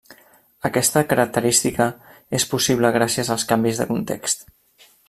Aquesta característica és possible gràcies als canvis de context.